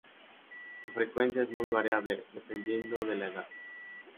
Su frecuencia es muy variable dependiendo de la edad.